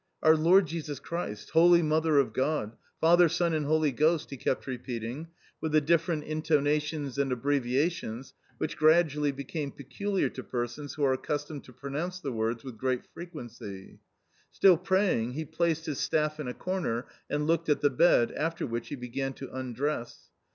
"Our Lord Jesus Christ! Holy Mother of God! Father, Son, and Holy Ghost!" he kept repeating, with the different intonations and abbreviations which gradually become peculiar to persons who are accustomed to pronounce the words with great frequency. Still praying, he placed his staff in a corner and looked at the bed; after which he began to undress.